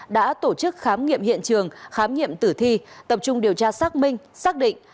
đã tổ chức khám nghiệm hiện trường khám nghiệm tử thi tập trung điều tra xác minh xác định